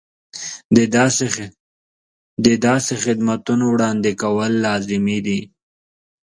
د داسې خدمتونو وړاندې کول لازمي دي.